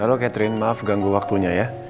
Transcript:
halo catherine maaf ganggu waktunya ya